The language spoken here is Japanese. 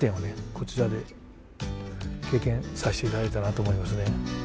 こちらで経験させていただいたなと思いますね。